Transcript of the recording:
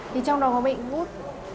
trong đó có bệnh gút